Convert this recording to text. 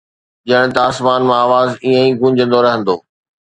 ڄڻ ته آسمان مان آواز ائين ئي گونجندو رهندو.